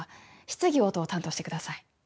質疑応答を担当してください